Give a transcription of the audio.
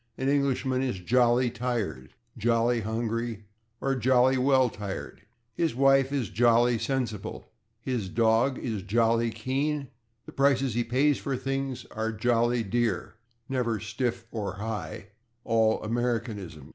An Englishman is /jolly/ tired, /jolly/ hungry or /jolly well/ tired; his wife is /jolly/ sensible; his dog is /jolly/ keen; the prices he pays for things are /jolly dear/ (never /steep/ or /stiff/ or /high/: all Americanisms).